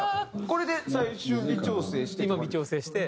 これで最終微調整して。